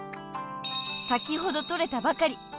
［先ほど取れたばかり］